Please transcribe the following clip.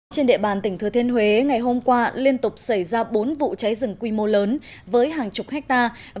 trên địa bàn tỉnh thừa thiên huế ngày hôm qua liên tục xảy ra bốn vụ cháy rừng quy mô lớn với hàng chục hectare